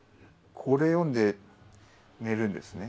これ読んで寝るんですね。